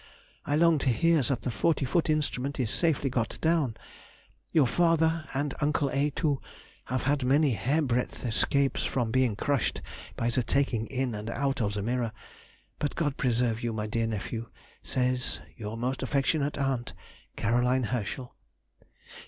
I long to hear that the forty foot instrument is safely got down; your father, and Uncle A. too, have had many hair breadth escapes from being crushed by the taking in and out of the mirror; but God preserve you, my dear nephew, says Your most affectionate aunt, CAR. HERSCHEL.